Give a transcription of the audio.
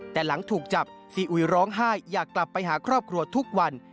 แต่หลังถูกจับซีอุยร้องไห้อยากกลับไปหาครอบครัวทุกวัน